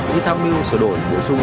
như tham mưu sửa đổi bổ sung